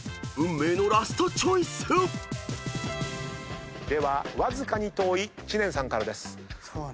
［運命のラストチョイス］ではわずかに遠い知念さんからです。